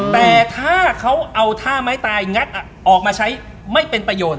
แต่ถ้าเขาเอาท่าไม้ตายงัดออกมาใช้ไม่เป็นประโยชน